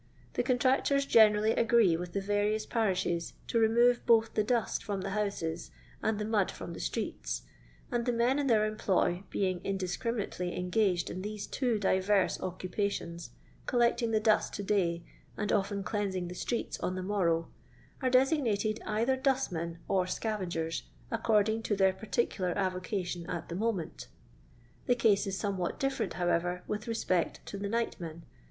The contnc tors generally agree with the various parishes to remove both the dust from the houses and the mud from the streets; the men in their em ploy are indiscriminately engnged in these two aivenii occupations, collecting the dust to day, and often cleansing the streets on the morrow, and are designated eiUier dustmen or scavengers, accord ing to their particular avocation at the moment Tm case is somewhat different, however, with respect to the nightmen.